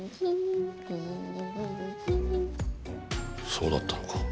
そうだったのか。